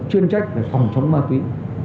chuyên trách phải phòng chống ma túy